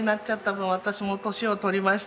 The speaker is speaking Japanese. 私も年を取りました。